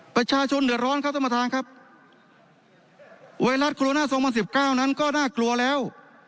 ประชาชนเดือดร้อนครับท่านประธานครับไวรัสโคโรนาสองพันสิบเก้านั้นก็น่ากลัวแล้ว